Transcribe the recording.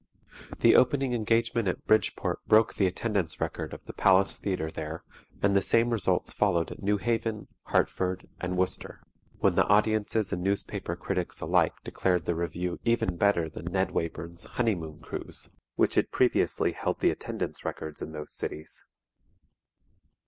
The opening engagement at Bridgeport broke the attendance record of the Palace Theatre there and the same results followed at New Haven, Hartford and Worcester, when the audiences and newspaper critics alike declared the Revue even better than Ned Wayburn's "Honeymoon Cruise," which had previously held the attendance records in those cities.